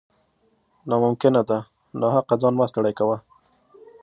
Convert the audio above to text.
نا ممکنه ده ، ناحقه ځان مه ستړی کوه